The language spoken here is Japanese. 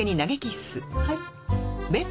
はい。